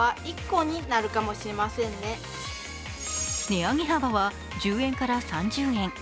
値上げ幅は１０円から３０円。